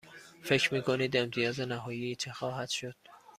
فکر می کنید امتیاز نهایی چه خواهد شد؟